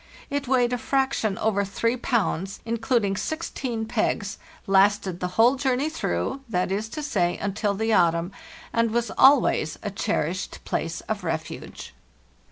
It weighed a fraction over 3 pounds, including 16 pegs, lasted the whole journey through—that is to say, until the autumn and was always a cherished place of refuge.